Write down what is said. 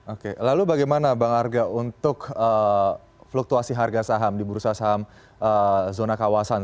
oke lalu bagaimana bang arga untuk fluktuasi harga saham di bursa saham zona kawasan